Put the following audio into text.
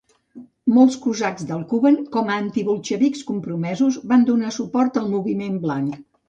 Molts cosacs del Kuban, com antibolxevics compromesos, van donar suport al Moviment Blanc.